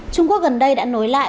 trung quốc gần đây đã nối lại